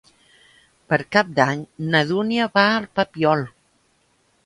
Per Cap d'Any na Dúnia va al Papiol.